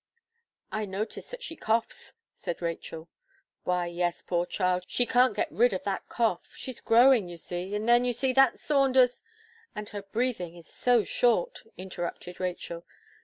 "I notice that she coughs," said Rachel "Why, yes, poor child; she can't get rid of that cough she's growing, you see. And then, you see, that Saunders " "And her breathing is so short," interrupted Rachel.